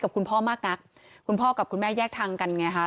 คุณพ่อมากนักคุณพ่อกับคุณแม่แยกทางกันไงฮะ